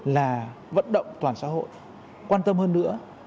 là vận động toàn xã hội quan tâm hơn nữa